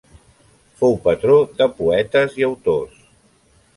Fou patró de poetes i autors.